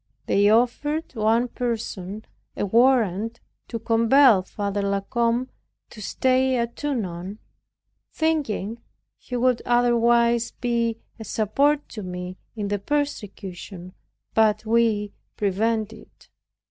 They offered one person a warrant to compel Father La Combe to stay at Tonon, thinking he would otherwise be a support to me in the persecution, but we prevented it.